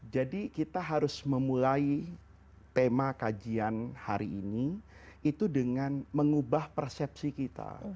jadi kita harus memulai tema kajian hari ini itu dengan mengubah persepsi kita